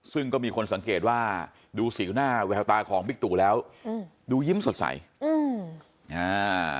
ซึ่งก็มีคนสังเกตว่าดูสีหน้าแววตาของบิ๊กตู่แล้วอืมดูยิ้มสดใสอืมอ่า